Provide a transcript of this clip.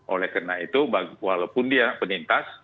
oleh karena itu walaupun dia penintas